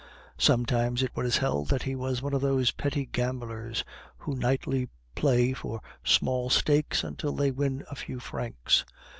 Sometimes it was held that he was one of those petty gamblers who nightly play for small stakes until they win a few francs.